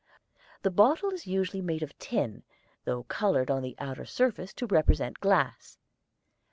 The bottle is usually made of tin, though colored on the outer surface to represent glass.